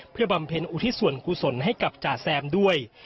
เพื่อบำเพ็ญอุทิศส่วนกุศลให้กับจ่าแซมด้วย